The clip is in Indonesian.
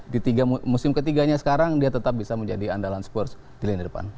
di tiga musim ketiganya sekarang dia tetap bisa menjadi andalan spurs di lini depan